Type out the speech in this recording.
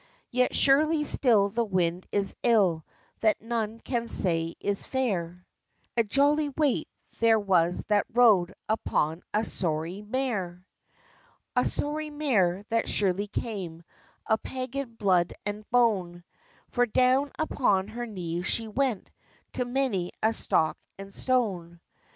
Yet surely still the wind is ill That none can say is fair; A jolly wight there was, that rode Upon a sorry mare! A sorry mare, that surely came Of pagan blood and bone; For down upon her knees she went To many a stock and stone!